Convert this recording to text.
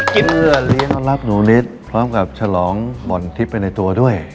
กินเผื่อเลี้ยงราบหนูนิศพร้อมกับฉลองหม่อนทิศไปในตัวด้วย